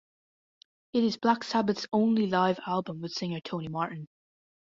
It is Black Sabbath's only live album with singer Tony Martin.